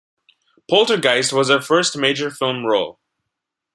"Poltergeist" was her first major film role.